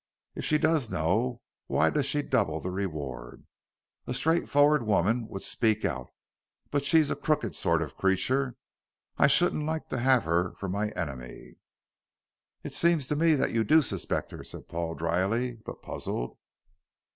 If she does know, why does she double the reward? A straightforward woman would speak out, but she's a crooked sort of creature; I shouldn't like to have her for my enemy." "It seems to me that you do suspect her," said Paul dryly, but puzzled.